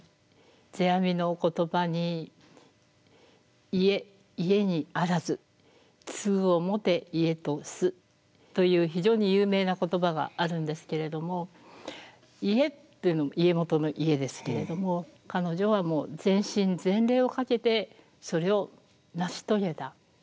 世阿弥の言葉に「家家にあらず継ぐをもて家とす」という非常に有名な言葉があるんですけれども家っていうのは家元の家ですけれども彼女はもう全身全霊をかけてそれを成し遂げた。